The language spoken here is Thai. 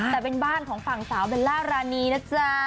แต่เป็นบ้านของฝั่งสาวเบลล่ารานีนะจ๊ะ